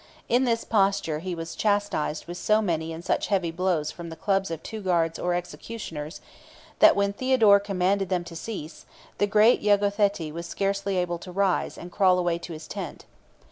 In this posture he was chastised with so many and such heavy blows from the clubs of two guards or executioners, that when Theodore commanded them to cease, the great logothete was scarcely able to rise and crawl away to his tent.